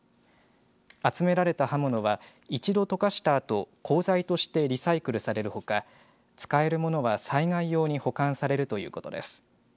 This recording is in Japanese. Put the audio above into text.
集められた刃物は一度、溶かしたあと鋼材としてリサイクルされるほか使えるものは災害用に保管されるということです。